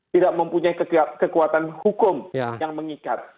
tidak mempunyai kekuatan hukum yang mengikat